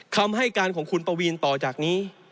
คำให้การของคุณปวีนต่อจากนี้